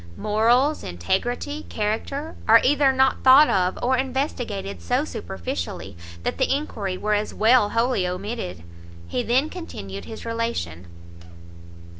Morals, integrity, character, are either not thought of, or investigated so superficially, that the enquiry were as well wholly omitted." He then continued his relation.